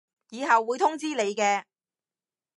以後會通知你嘅